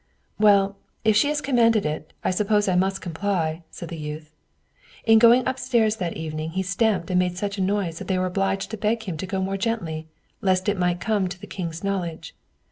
"Well, if she has commanded it, I suppose I must comply," said the youth. In going up stairs that evening he stamped and made such a noise that they were obliged to beg of him to go more gently, lest it might come to the king's knowledge.